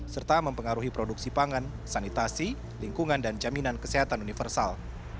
serta mempengaruhi produksi pangan sanitasi lingkungan dan jaminan kesehatan universal